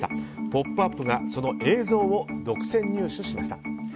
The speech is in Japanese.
「ポップＵＰ！」がその映像を独占入手しました。